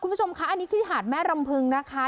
คุณผู้ชมคะอันนี้ที่หาดแม่รำพึงนะคะ